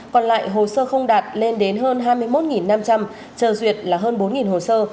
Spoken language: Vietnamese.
còn lại hồ sơ không đạt lên đến hơn hai mươi một năm trăm linh chờ duyệt là hơn bốn hồ sơ